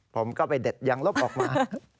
ผมก็ไปเด็ดยางลบออกมา